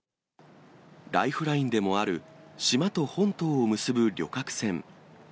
ライフラインでもある、島と本島を結ぶ旅客船。